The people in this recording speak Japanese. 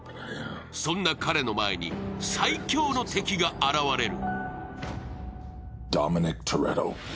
そんな彼の前に最凶の敵が現れる。